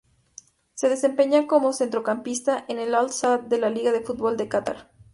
Se desempeña como centrocampista en el Al-Sadd de la Liga de fútbol de Catar.